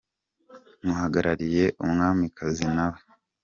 nk’uhagarariye Umwamikazi nawe.